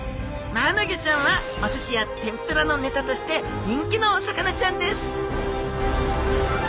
マアナゴちゃんはおすしや天ぷらのネタとして人気のお魚ちゃんです。